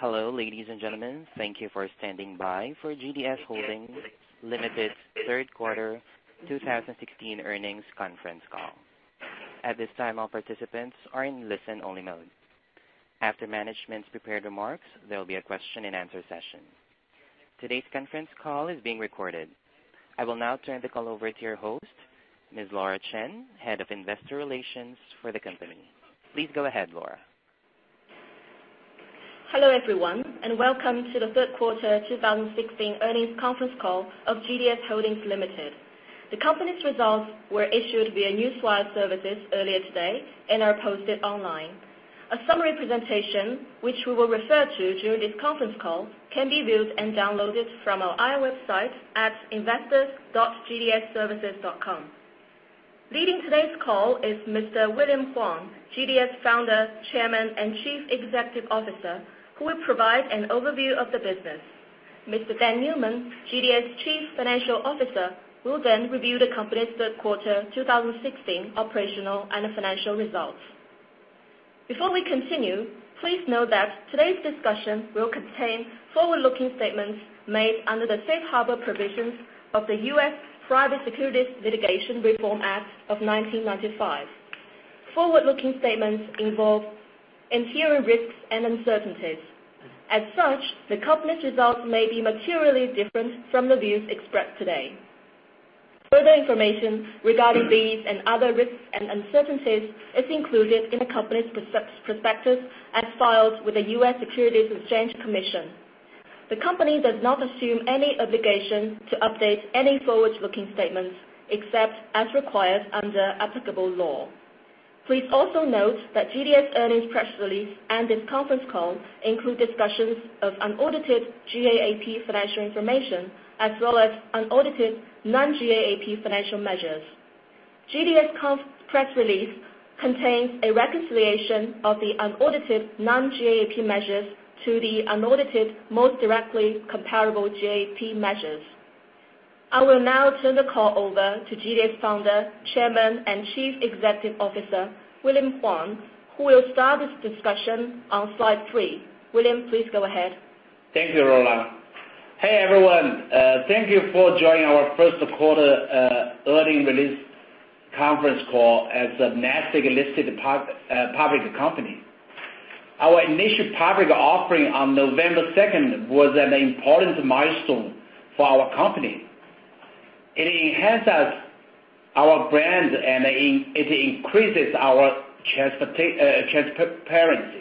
Hello, ladies and gentlemen. Thank you for standing by for GDS Holdings Limited third quarter 2016 earnings conference call. At this time, all participants are in listen-only mode. After management's prepared remarks, there will be a question and answer session. Today's conference call is being recorded. I will now turn the call over to your host, Ms. Laura Chen, Head of Investor Relations for the company. Please go ahead, Laura. Hello, everyone, and welcome to the third quarter 2016 earnings conference call of GDS Holdings Limited. The company's results were issued via Newswire services earlier today and are posted online. A summary presentation, which we will refer to during this conference call, can be viewed and downloaded from our IR website at investors.gds-services.com. Leading today's call is Mr. William Huang, GDS Founder, Chairman, and Chief Executive Officer, who will provide an overview of the business. Mr. Dan Newman, GDS Chief Financial Officer, will then review the company's third quarter 2016 operational and financial results. Before we continue, please note that today's discussion will contain forward-looking statements made under the Safe Harbor Provisions of the U.S. Private Securities Litigation Reform Act of 1995. Forward-looking statements involve inherent risks and uncertainties. As such, the company's results may be materially different from the views expressed today. Further information regarding these and other risks and uncertainties is included in the company's prospectus as filed with the U.S. Securities Exchange Commission. The company does not assume any obligation to update any forward-looking statements, except as required under applicable law. Please also note that GDS earnings press release and this conference call include discussions of unaudited GAAP financial information as well as unaudited non-GAAP financial measures. GDS press release contains a reconciliation of the unaudited non-GAAP measures to the unaudited most directly comparable GAAP measures. I will now turn the call over to GDS founder, chairman, and chief executive officer, William Huang, who will start this discussion on slide three. William, please go ahead. Thank you, Laura. Hey, everyone. Thank you for joining our first quarter earnings release conference call as a NASDAQ-listed public company. Our initial public offering on November second was an important milestone for our company. It enhances our brand, and it increases our transparency.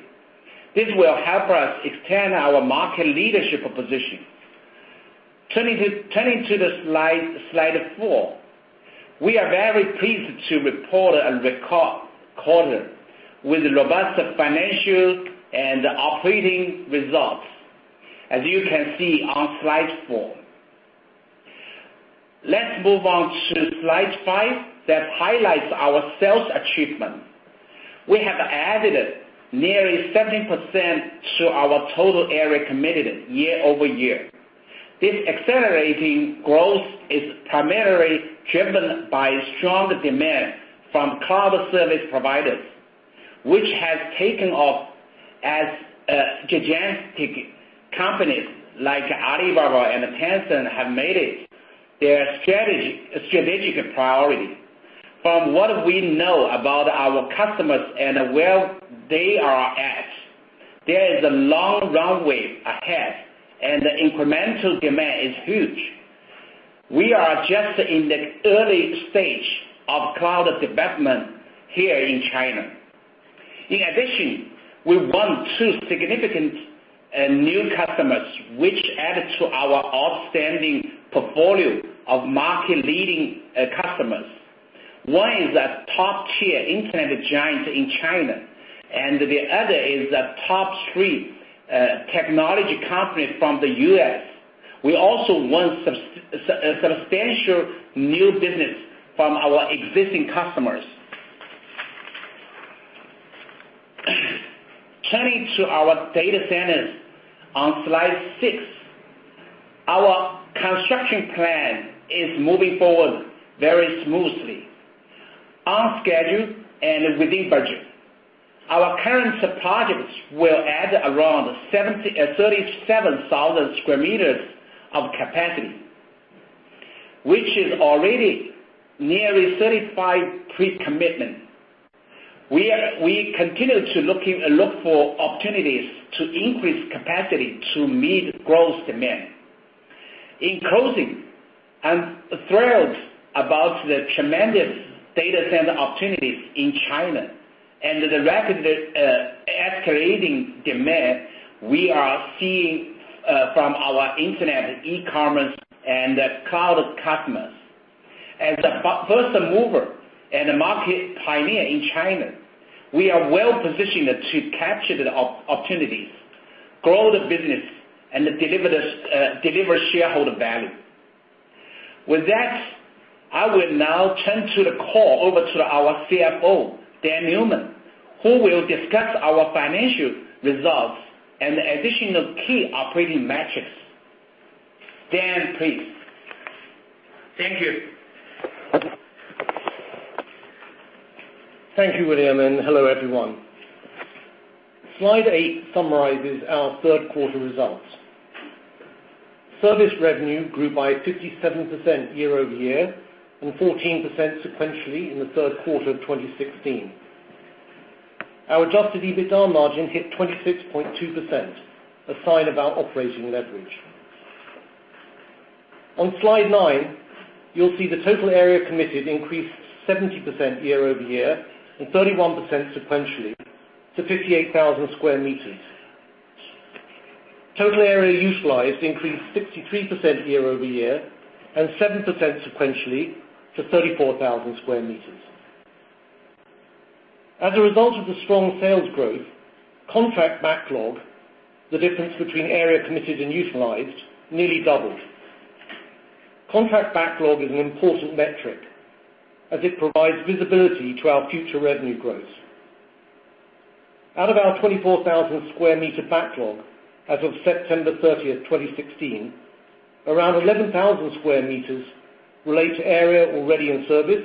This will help us extend our market leadership position. Turning to slide four. We are very pleased to report a record quarter with robust financial and operating results, as you can see on slide four. Let's move on to slide five that highlights our sales achievement. We have added nearly 70% to our total area committed year-over-year. This accelerating growth is primarily driven by strong demand from cloud service providers, which has taken off as gigantic companies like Alibaba and Tencent have made it their strategic priority. From what we know about our customers and where they are at, there is a long runway ahead, and the incremental demand is huge. We are just in the early stage of cloud development here in China. In addition, we won two significant new customers, which added to our outstanding portfolio of market-leading customers. One is a top-tier internet giant in China, and the other is a top three technology company from the U.S. We also won substantial new business from our existing customers. Turning to our data centers on slide six. Our construction plan is moving forward very smoothly, on schedule, and within budget. Our current projects will add around 37,000 sq m of capacity, which is already nearly 35 pre-commitment. We continue to look for opportunities to increase capacity to meet growth demand. In closing, I'm thrilled about the tremendous data center opportunities in China and the rapid escalating demand we are seeing from our internet, e-commerce, and cloud customers. As a first mover and a market pioneer in China, we are well-positioned to capture the opportunities, grow the business, and deliver shareholder value. With that, I will now turn the call over to our CFO, Dan Newman, who will discuss our financial results and additional key operating metrics. Dan, please. Thank you. Thank you, William. Hello everyone. Slide eight summarizes our third quarter results. Service revenue grew by 57% year-over-year and 14% sequentially in the third quarter of 2016. Our adjusted EBITDA margin hit 26.2%, a sign of our operating leverage. On slide nine, you'll see the total area committed increased 70% year-over-year and 31% sequentially to 58,000 sq m. Total area utilized increased 63% year-over-year and 7% sequentially to 34,000 sq m. As a result of the strong sales growth, contract backlog, the difference between area committed and utilized, nearly doubled. Contract backlog is an important metric as it provides visibility to our future revenue growth. Out of our 24,000 sq m backlog as of September 30th, 2016, around 11,000 sq m relate to area already in service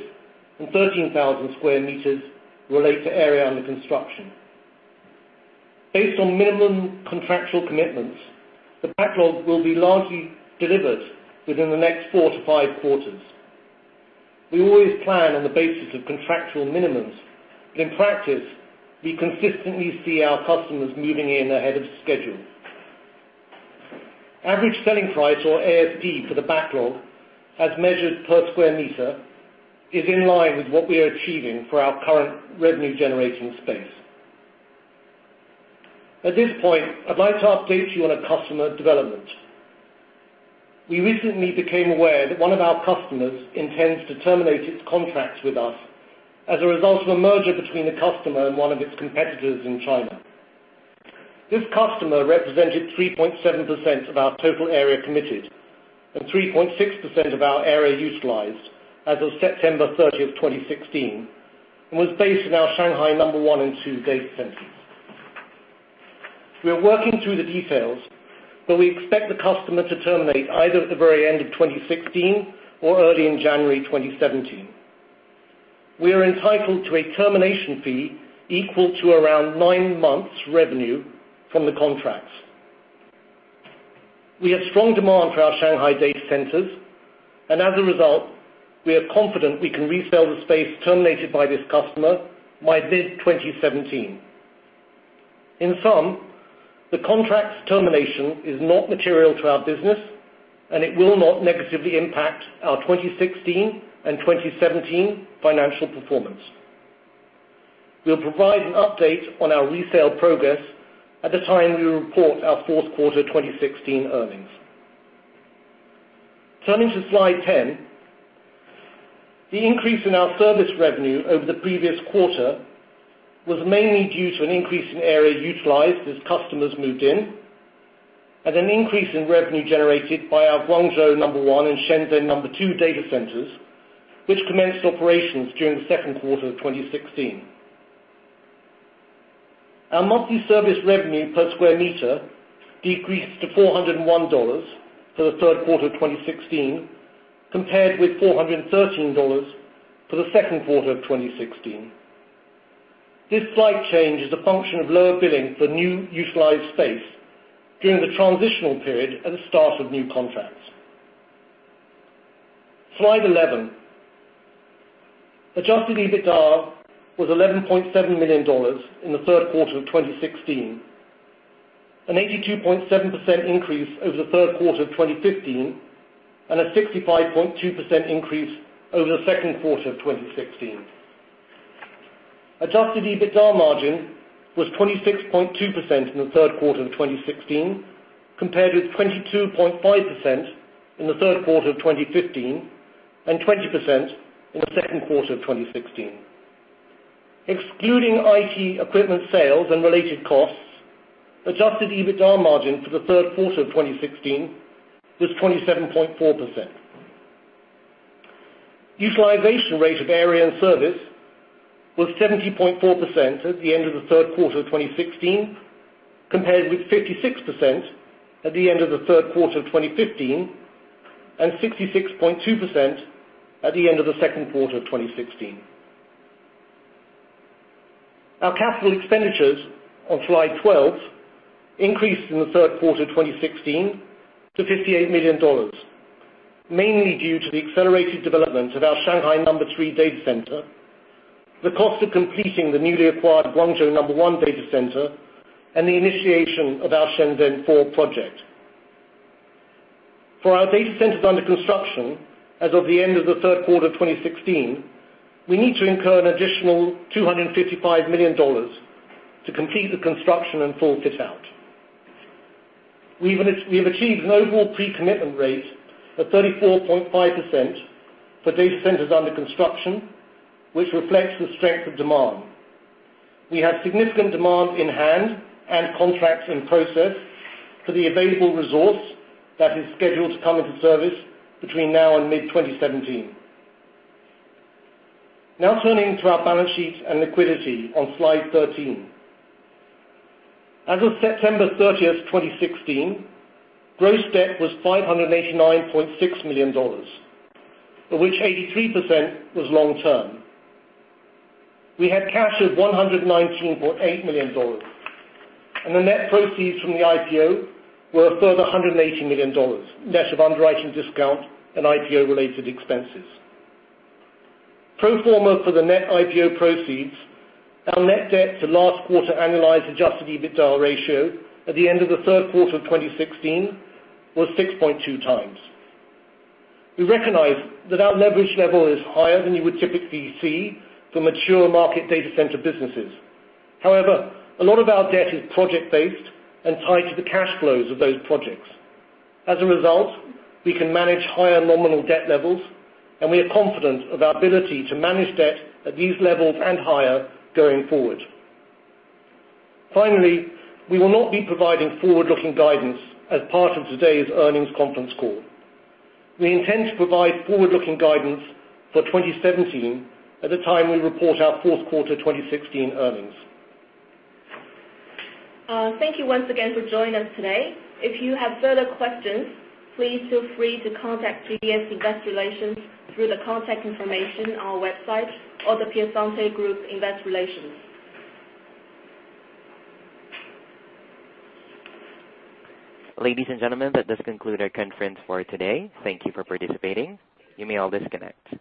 and 13,000 sq m relate to area under construction. Based on minimum contractual commitments, the backlog will be largely delivered within the next four to five quarters. We always plan on the basis of contractual minimums, but in practice, we consistently see our customers moving in ahead of schedule. Average selling price or ASP for the backlog as measured per square meter, is in line with what we are achieving for our current revenue generating space. At this point, I'd like to update you on a customer development. We recently became aware that one of our customers intends to terminate its contracts with us as a result of a merger between the customer and one of its competitors in China. This customer represented 3.7% of our total area committed and 3.6% of our area utilized as of September 30th, 2016, and was based in our Shanghai number 1 and 2 data centers. We are working through the details, but we expect the customer to terminate either at the very end of 2016 or early in January 2017. We are entitled to a termination fee equal to around nine months revenue from the contracts. We have strong demand for our Shanghai data centers, and as a result, we are confident we can resell the space terminated by this customer by mid-2017. In sum, the contract's termination is not material to our business, and it will not negatively impact our 2016 and 2017 financial performance. We'll provide an update on our resale progress at the time we report our fourth quarter 2016 earnings. Turning to slide 10, the increase in our service revenue over the previous quarter was mainly due to an increase in area utilized as customers moved in and an increase in revenue generated by our Guangzhou number 1 and Shenzhen number 2 data centers, which commenced operations during the second quarter of 2016. Our monthly service revenue per square meter decreased to $401 for the third quarter of 2016 compared with $413 for the second quarter of 2016. This slight change is a function of lower billing for new utilized space during the transitional period at the start of new contracts. Slide 11. Adjusted EBITDA was $11.7 million in the third quarter of 2016, an 82.7% increase over the third quarter of 2015 and a 65.2% increase over the second quarter of 2016. Adjusted EBITDA margin was 26.2% in the third quarter of 2016 compared with 22.5% in the third quarter of 2015 and 20% in the second quarter of 2016. Excluding IT equipment sales and related costs, adjusted EBITDA margin for the third quarter of 2016 was 27.4%. Utilization rate of area and service was 70.4% at the end of the third quarter of 2016 compared with 56% at the end of the third quarter of 2015 and 66.2% at the end of the second quarter of 2016. Our capital expenditures on slide 12 increased in the third quarter of 2016 to $58 million, mainly due to the accelerated development of our Shanghai number 3 data center, the cost of completing the newly acquired Guangzhou number 1 data center, and the initiation of our Shenzhen 4 project. For our data centers under construction as of the end of the third quarter of 2016, we need to incur an additional $255 million to complete the construction and full fit-out. We have achieved an overall pre-commitment rate of 34.5% for data centers under construction, which reflects the strength of demand. We have significant demand in hand and contracts in process for the available resource that is scheduled to come into service between now and mid-2017. Turning to our balance sheet and liquidity on slide 13. As of September 30th, 2016, gross debt was $589.6 million, of which 83% was long term. We had cash of $119.8 million. The net proceeds from the IPO were a further $180 million, net of underwriting discount and IPO related expenses. Pro forma for the net IPO proceeds, our net debt to last quarter annualized adjusted EBITDA ratio at the end of the third quarter of 2016 was 6.2 times. We recognize that our leverage level is higher than you would typically see for mature market data center businesses. A lot of our debt is project-based and tied to the cash flows of those projects. As a result, we can manage higher nominal debt levels, and we are confident of our ability to manage debt at these levels and higher going forward. We will not be providing forward-looking guidance as part of today's earnings conference call. We intend to provide forward-looking guidance for 2017 at the time we report our fourth quarter 2016 earnings. Thank you once again for joining us today. If you have further questions, please feel free to contact GDS Investor Relations through the contact information on our website or The Piacente Group Investor Relations. Ladies and gentlemen, that does conclude our conference for today. Thank you for participating. You may all disconnect.